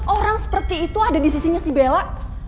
orang seperti itu ada di sisinya si bella